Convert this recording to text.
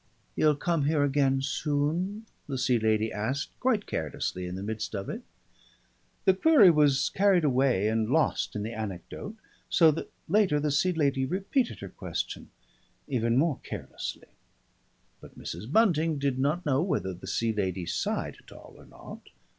"He'll come here again soon?" the Sea Lady asked quite carelessly in the midst of it. The query was carried away and lost in the anecdote, so that later the Sea Lady repeated her question even more carelessly. But Mrs. Bunting did not know whether the Sea Lady sighed at all or not.